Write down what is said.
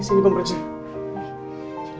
sini kompresnya sini